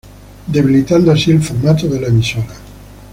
Debilitando así el formato de la emisora.